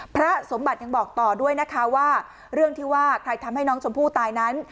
พระสมบัติยังบอกต่อด้วยนะคะว่าเรื่องที่ว่าใครทำให้น้องชมพู่ตายนั้น